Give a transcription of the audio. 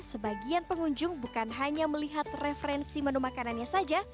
sebagian pengunjung bukan hanya melihat referensi menu makanannya saja